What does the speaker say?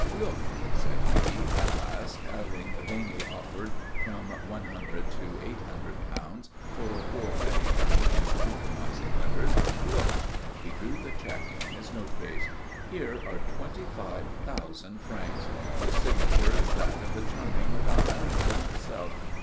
"Look," said he, at last, having vainly offered from one hundred to eight hundred pounds for poor Betty Errington's compromising letters. "Look " He drew the cheque from his note case. "Here are twenty five thousand francs. The signature is that of the charming Madame Errington herself.